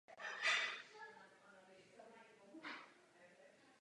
Hrad by tedy podle toho existoval jen jedno desetiletí.